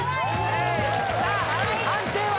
さあ判定は？